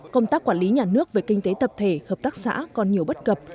công tác quản lý nhà nước về kinh tế tập thể hợp tác xã còn nhiều bất cập